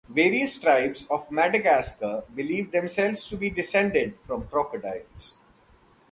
Various tribes of Madagascar believe themselves to be descended from crocodiles.